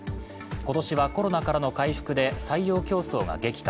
今年はコロナからの回復で採用競争が激化。